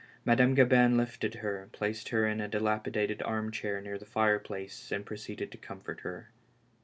Madame Gabin lifted her, placed her in a dilapidated arm chair near the fire place, and proceeded to comfort her.